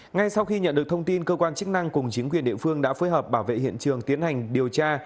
ngay sau khi nhận được thông tin cơ quan chức năng cùng chính quyền địa phương đã phối hợp bảo vệ hiện trường tiến hành điều tra